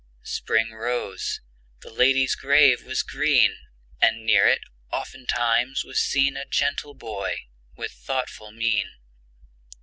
Spring rose; the lady's grave was green; And near it, oftentimes, was seen A gentle boy with thoughtful mien.